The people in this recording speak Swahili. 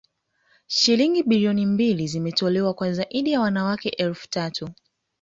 Shilingi bilioni mbili zimetolewa kwa zaidi ya wanawake elfu tatu